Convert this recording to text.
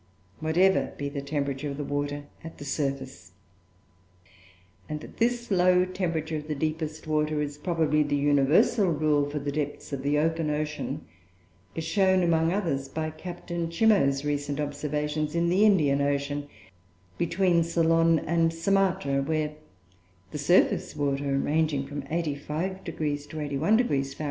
whatever be the temperature of the water at the surface. And that this low temperature of the deepest water is probably the universal rule for the depths of the open ocean is shown, among others, by Captain Chimmo's recent observations in the Indian ocean, between Ceylon and Sumatra, where, the surface water ranging from 85° 81° Fahr.